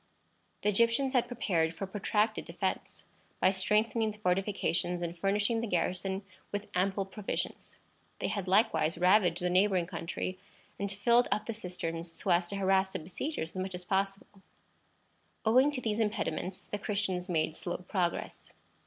The Egyptians had prepared for a protracted defence, by strengthening the fortifications and furnishing the garrison with ample provisions. They had likewise ravaged the neighboring country, and filled up the cisterns so as to harass the besiegers as much as possible. Owing to these impediments the Christians made slow progress.